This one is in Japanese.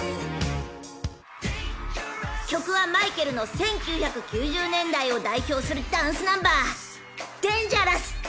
［曲はマイケルの１９９０年代を代表するダンスナンバー］